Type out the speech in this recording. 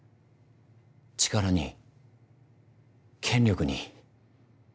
力に権力に。